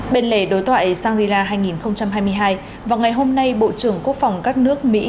bên lề đối thoại shangri la hai nghìn hai mươi hai vào ngày hôm nay bộ trưởng quốc phòng các nước mỹ